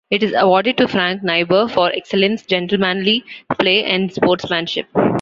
It is awarded to Frank Nighbor for excellence, gentlemanly play and sportsmanship.